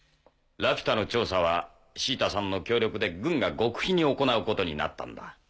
ラピュタの調査はシータさんの協力で軍が極秘に行うことになったんだ。